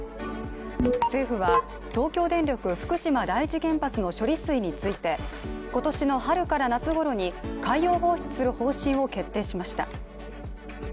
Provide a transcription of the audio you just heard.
政府は東京電力・福島第一原発の処理水について今年の春から夏ごろに海洋放出する方針を決定しました。